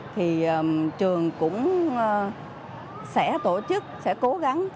thì trường cũng sẽ tổ chức sẽ cố gắng